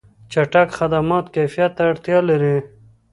چټک خدمات کیفیت ته اړتیا لري.